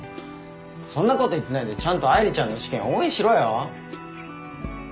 そんなこと言ってないでちゃんと愛梨ちゃんの試験応援しろよ。